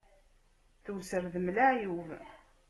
Tewser d mm laɛyub.